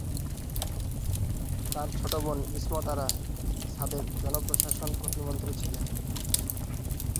তার ছোট বোন ইসমত আরা সাদেক জনপ্রশাসন প্রতিমন্ত্রী ছিলেন।